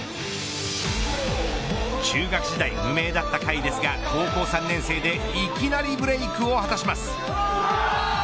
中学時代、無名だった甲斐ですが高校３年生でいきなりブレークを果たします。